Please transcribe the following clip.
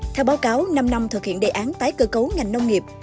theo báo cáo năm năm thực hiện đề án tái cơ cấu ngành nông nghiệp